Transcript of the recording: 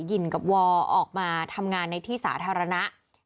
หินกับวอร์ออกมาทำงานในที่สาธารณะ